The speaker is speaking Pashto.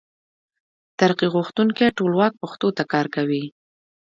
ترقي غوښتونکي ټولواک پښتو ته کار وکړ.